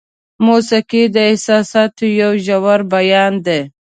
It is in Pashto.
موسیقي د احساساتو یو ژور بیان دی.